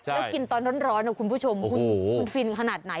แล้วกินตอนร้อนนะคุณผู้ชมคุณฟินขนาดไหน